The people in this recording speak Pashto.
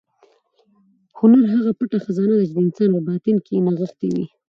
هنر هغه پټه خزانه ده چې د انسان په باطن کې نغښتې وي.